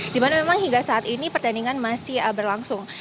di mana memang hingga saat ini pertandingan masih berlangsung